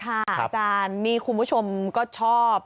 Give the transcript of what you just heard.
อาจารย์นี่คุณผู้ชมก็ชอบ